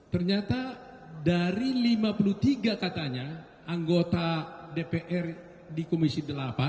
ternyata dari lima puluh tiga katanya anggota dpr di komisi delapan